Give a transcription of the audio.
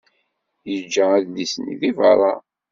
Yeǧǧa adlis-nni deg beṛṛa.